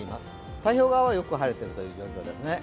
太平洋側はよく晴れているという状況ですね。